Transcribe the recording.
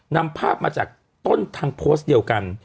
นำภาพมาจากต้นทางโพสต์เดียวกัน